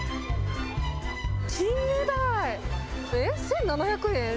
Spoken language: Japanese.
キンメダイ、１７００円？